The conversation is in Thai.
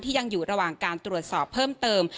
ยังอยู่ระหว่างการตรวจสอบเพิ่มเติม